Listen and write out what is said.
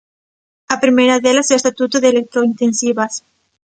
A primeira delas é o Estatuto de electrointensivas.